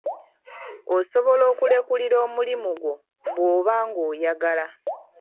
Osobola okulekulira omulimu gwo bw'oba nga oyagala.